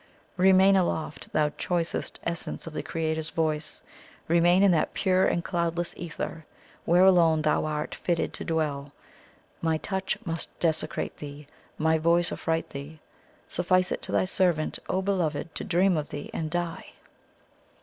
Remain aloft, thou Choicest Essence of the Creator's Voice, remain in that pure and cloudless ether, where alone thou art fitted to dwell. My touch must desecrate thee, my voice affright thee. Suffice it to thy servant, O Beloved, to dream of thee and die!"